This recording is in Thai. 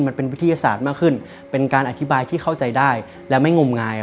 มันเป็นวิทยาศาสตร์มากขึ้นเป็นการอธิบายที่เข้าใจได้และไม่งมงาย